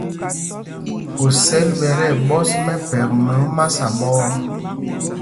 Osɛl ɓɛ̄ tí ɛɓɔ́s mɛphɛk mɛ omasa ɓɔ̄ɔ̄.